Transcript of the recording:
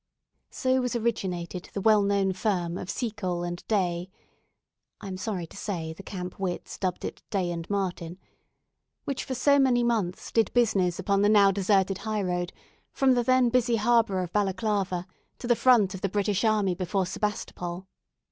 So was originated the well known firm of Seacole and Day (I am sorry to say, the camp wits dubbed it Day and Martin), which, for so many months, did business upon the now deserted high road from the then busy harbour of Balaclava to the front of the British army before Sebastopol.